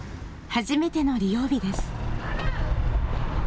初めての利用日です。